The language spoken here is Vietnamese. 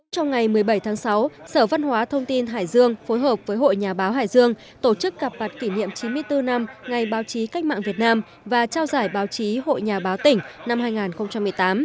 trong ngày một mươi bảy tháng sáu sở văn hóa thông tin hải dương phối hợp với hội nhà báo hải dương tổ chức gặp mặt kỷ niệm chín mươi bốn năm ngày báo chí cách mạng việt nam và trao giải báo chí hội nhà báo tỉnh năm hai nghìn một mươi tám